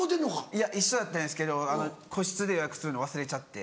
いや一緒だったんですけど個室で予約するの忘れちゃって。